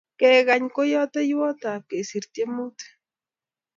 Kengany ko yateiywotap kesir tiemutik